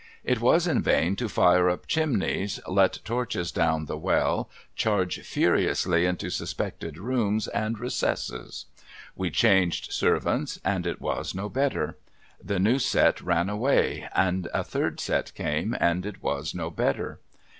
It was in vain to fire up chimneys, let torches down the well, charge furiously into suspected rooms and recesses. A\'e changed servants, and it was no better. The new set ran away, and a third set came, and it was no better.